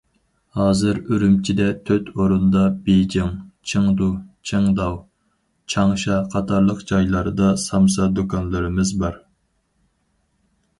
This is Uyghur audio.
ھازىر ئۈرۈمچىدە تۆت ئورۇندا، بېيجىڭ، چېڭدۇ، چىڭداۋ، چاڭشا قاتارلىق جايلاردا سامسا دۇكانلىرىمىز بار.